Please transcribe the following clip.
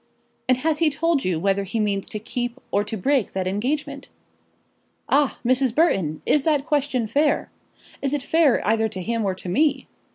"And has he told you whether he means to keep, or to break that engagement?" "Ah, Mrs. Burton, is that question fair? Is it fair either to him, or to me?